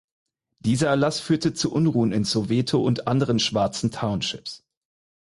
Dieser Erlass führte zu Unruhen in Soweto und anderen schwarzen Townships.